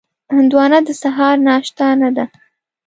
هندوانه د سهار ناشته نه ده.